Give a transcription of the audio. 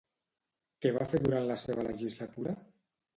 Què va fer durant la seva legislatura?